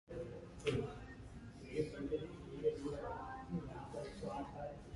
हजारे के अभियान से पार्टी की संभावनाओं पर प्रभाव नहीं पड़ेगा: हरियाणा कांग्रेस